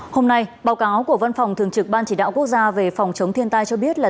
hôm nay báo cáo của văn phòng thường trực ban chỉ đạo quốc gia về phòng chống thiên tai cho biết là